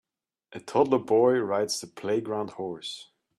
A toddler boy rides the playground horse.